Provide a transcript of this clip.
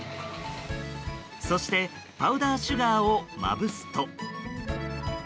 そしてパウダーシュガーをまぶすと。